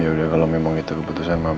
ya udah kalau memang itu keputusan